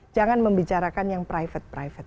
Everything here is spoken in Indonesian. jangan membicarakan yang private private